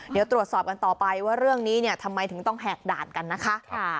เดี๋ยวตรวจสอบกันต่อไปว่าเรื่องนี้เนี่ยทำไมถึงต้องแหกด่านกันนะคะ